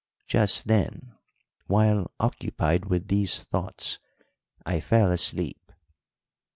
"Just then, while occupied with these thoughts, I fell asleep.